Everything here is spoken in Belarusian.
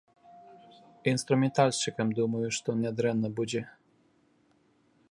Інструментальшчыкам, думаю, што нядрэнна будзе.